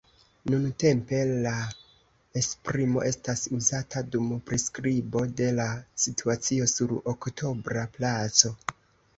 Nuntempe la esprimo estas uzata dum priskribo de la situacio sur Oktobra Placo.